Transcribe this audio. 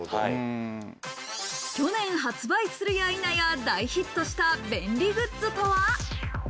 去年発売するや否や、大ヒットした便利グッズとは？